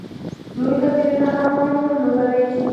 لوی توپیرونه هم مهم رول لوبوي.